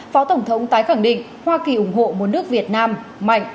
phó tổng thống tái khẳng định hoa kỳ ủng hộ một nước việt nam mạnh